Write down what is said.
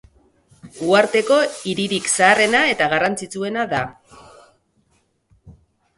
Uharteko hiririk zaharrena eta garrantzitsuena da.